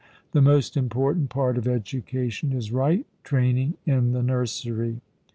The most important part of education is right training in the nursery.